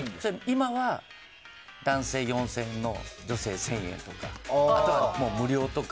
今は男性４０００円の女性１０００円とかあとは無料とか。